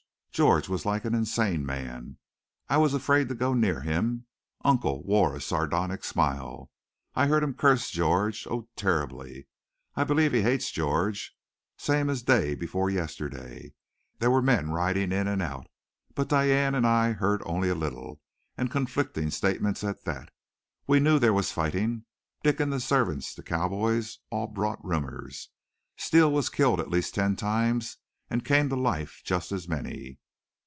George was like an insane man. I was afraid to go near him. Uncle wore a sardonic smile. I heard him curse George oh, terribly! I believe he hates George. Same as day before yesterday, there were men riding in and out. But Diane and I heard only a little, and conflicting statements at that. We knew there was fighting. Dick and the servants, the cowboys, all brought rumors. Steele was killed at least ten times and came to life just as many.